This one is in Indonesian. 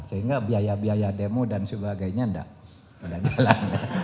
sehingga biaya biaya demo dan sebagainya tidak jalan